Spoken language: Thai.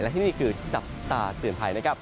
และที่นี่คือจับตาเตือนภัยนะครับ